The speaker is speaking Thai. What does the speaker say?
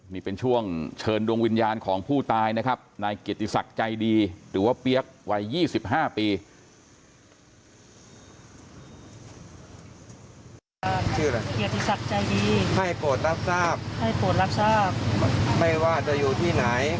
นี่เป็นช่วงเชิญดวงวิญญาณของผู้ตายนะครับนายเกียรติศักดิ์ใจดีหรือว่าเปี๊ยกวัย๒๕ปี